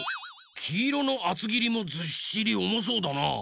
きいろのあつぎりもずっしりおもそうだな。